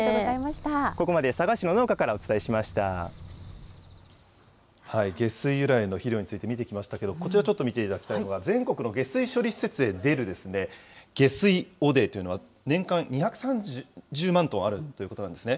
ここまで佐賀市の農家からお下水由来の肥料について見てきましたけれども、こちらちょっと見ていただきたいのが、全国の下水処理施設で出る下水汚泥というのは、年間２３０万トンあるということなんですね。